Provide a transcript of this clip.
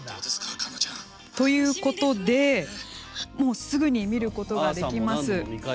環奈ちゃん。ということですぐに見ることができます。